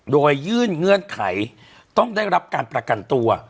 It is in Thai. โดยยื่นเงื่อนไขต้องได้รับการประกันตัว